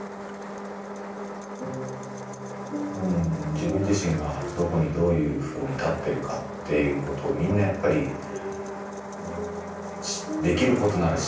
自分自身がどこにどういうふうに立ってるかっていうことをみんなやっぱりできることなら知りたいし。